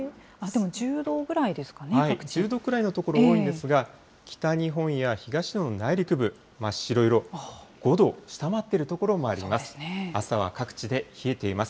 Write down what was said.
１０度くらいの所、多いんですが、北日本や東日本の内陸部、白色、５度を下回っている所もあります。